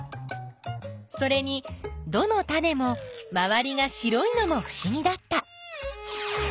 それにどのタネもまわりが白いのもふしぎだった。